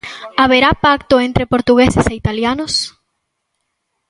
Haberá pacto entre portugueses e italianos?